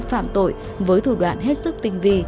phạm tội với thủ đoạn hết sức tinh vi